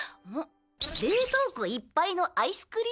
冷凍庫いっぱいのアイスクリームは？